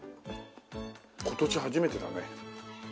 今年初めてだね。